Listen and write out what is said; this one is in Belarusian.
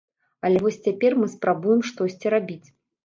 Але вось цяпер мы спрабуем штосьці рабіць.